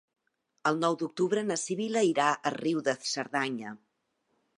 El nou d'octubre na Sibil·la irà a Riu de Cerdanya.